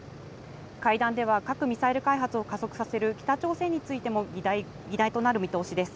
会談では、核・ミサイル開発を加速させる北朝鮮についても議題となる見通しです。